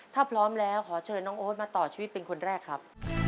ถ้าพร้อมแล้วขอเชิญน้องโอ๊ตมาต่อชีวิตเป็นคนแรกครับ